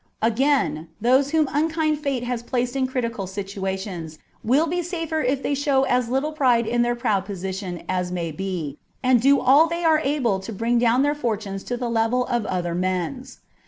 Again, those whom unkind fate has placed in critical situations will be safer if they show as little pride in their proud position as may be, and do all they are able to bring down their fortunes to the level of other men's.